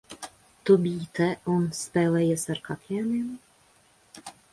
Tu biji te un spēlējies ar kaķēniem?